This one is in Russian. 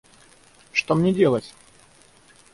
Что мне делать?